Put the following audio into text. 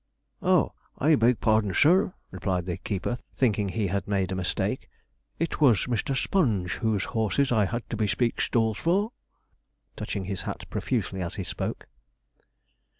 'Oh, I beg pardon, sir,' replied the keeper, thinking he had made a mistake; 'it was Mr. Sponge whose horses I had to bespeak stalls for,' touching his hat profusely as he spoke.